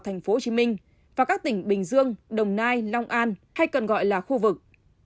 tp hcm và các tỉnh bình dương đồng nai long an hay cần gọi là khu vực